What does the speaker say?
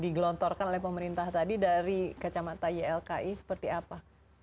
digelontorkan oleh pemerintah tadi dari kacamata ylki seperti apa